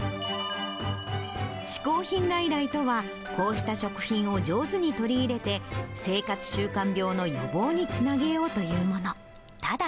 嗜好品外来とは、こうした食品を上手に取り入れて、生活習慣病の予防につなげようというもの。